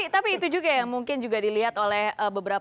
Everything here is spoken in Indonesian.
tapi itu juga yang mungkin juga dilihat oleh beberapa